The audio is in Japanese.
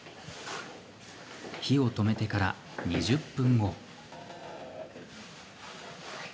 火を止めてから２０分後。